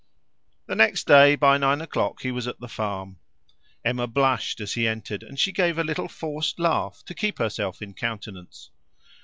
The next day by nine o'clock he was at the farm. Emma blushed as he entered, and she gave a little forced laugh to keep herself in countenance.